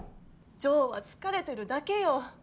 ジョーは疲れてるだけよ。